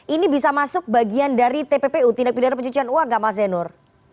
ini bisa masuk bagian dari tppu tindak pidana pencucian uang nggak mas zainur